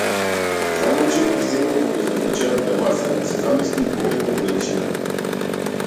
Замолче и, седнат покрај замрачената маса, се замисли и погледна во далечината.